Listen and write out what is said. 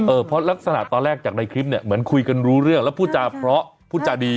เพราะลักษณะตอนแรกจากในคลิปเนี่ยเหมือนคุยกันรู้เรื่องแล้วพูดจาเพราะพูดจาดี